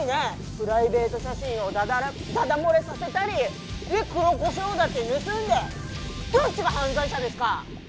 プライベート写真をダダ漏れさせたりねっ黒コショウだって盗んでどっちが犯罪者ですか！？